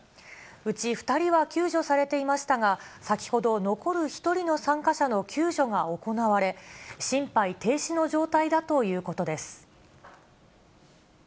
うち２人は救助されていましたが、先ほど残る１人の参加者の救助が行われ、心肺停止の状態だということです。